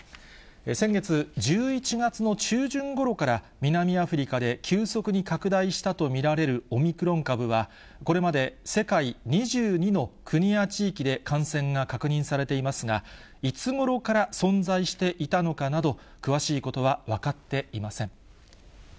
先月・１１月の中旬ごろから南アフリカで急速に拡大したと見られるオミクロン株は、これまで世界２２の国や地域で感染が確認されていますが、いつごろから存在していたのかなど、詳しいことは分かっていません。